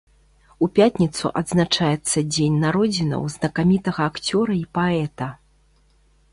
У пятніцу адзначаецца дзень народзінаў знакамітага акцёра і паэта.